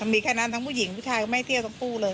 มีแค่นั้นทั้งผู้หญิงผู้ชายก็ไม่เตี้ยทั้งคู่เลย